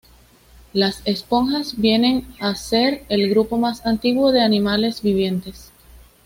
Las esponjas vienen a ser el grupo más antiguo de animales vivientes.